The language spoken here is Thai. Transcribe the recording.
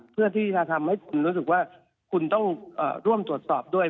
เพื่อที่จะทำให้คุณรู้สึกว่าคุณต้องร่วมตรวจสอบด้วย